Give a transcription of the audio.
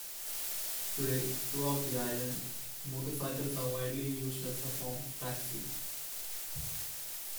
Today throughout the island, motorcycles are widely used as a form of taxi.